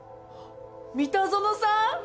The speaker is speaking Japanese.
三田園さん？